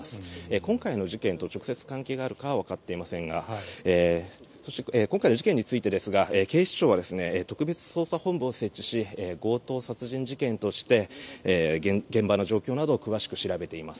今回の事件と直接関係があるかはわかっていませんが今回の事件についてですが警視庁は特別捜査本部を設置し強盗殺人事件として現場の状況などを詳しく調べています。